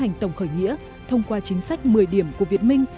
hành tổng khởi nghĩa thông qua chính sách một mươi điểm của việt minh